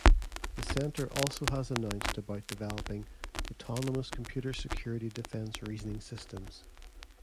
The centre also has announced about developing ""autonomous computer security defense reasoning systems"".